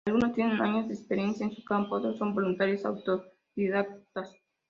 Algunos tienen años de experiencia en su campo, otros son voluntarios autodidactas.